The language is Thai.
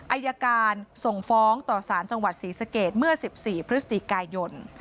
อายการส่งฟ้องต่อสารจังหวัดศรีสเกตเมื่อ๑๔พฤศจิกายน